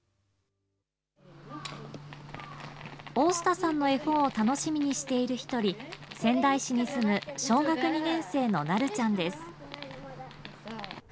大下さんの絵本を楽しみにしている１人、仙台市に住む小学２年生のなるちゃんです。